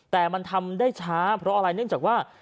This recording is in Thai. แต่มันทำได้ช้าเพราะอะไรเนื่องจากว่า